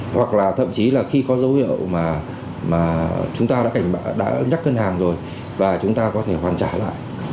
hoặc là thậm chí là khi có dấu hiệu mà chúng ta đã nhắc ngân hàng rồi và chúng ta có thể hoàn trả lại